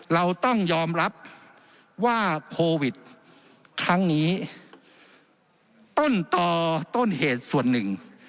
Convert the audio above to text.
เราต้องยอมรับว่าโควิดครั้งนี้ต้นต่อต้นเหตุส่วนหนึ่ง